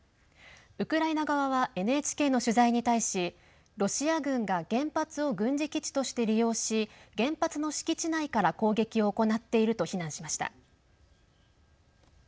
ウクライナ側はＮＨＫの取材に対しロシア軍が原発を軍事基地として利用し原発の敷地内から攻撃を行っていると非難しました。